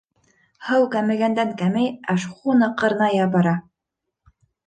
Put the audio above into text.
Һыу кәмегәндән-кәмей, ә шхуна ҡырыная бара.